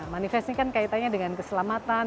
manifest ini kan kaitannya dengan keselamatan